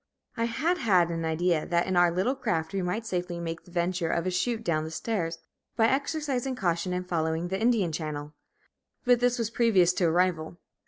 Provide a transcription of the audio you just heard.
I had had an idea that in our little craft we might safely make the venture of a shoot down the stairs, by exercising caution and following the Indian channel. But this was previous to arrival.